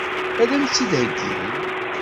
Ad m-tt-id-heggin?